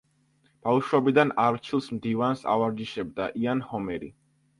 ბავშვობიდან არჩილს მდივანს ავარჯიშებდა იან ჰომერი.